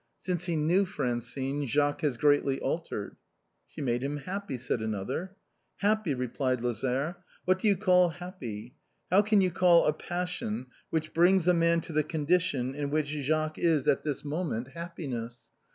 Since he knew Francine, Jacques has greatly altered." " She made him happy," said another. francine's muff. 239 " Happy," replied Lazare, "what do you call happy ? How can you call a passion, which brings a man to the con dition in which Jacques is at this moment, happiness?